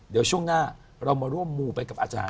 เดี๋ยวช่วงหน้าเรามาร่วมมูไปกับอาจารย์